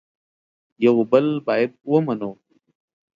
یو بل باید ومنو